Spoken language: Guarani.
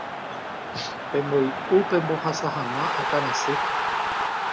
pemboy'u pembohasa hag̃ua akãrasy